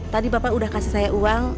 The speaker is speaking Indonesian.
tadi bapak udah kasih saya uang